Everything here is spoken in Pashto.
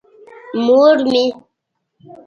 مور مې.